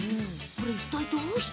いったいどうして？